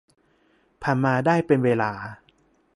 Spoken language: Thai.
ผ่านมาได้เป็นเวลา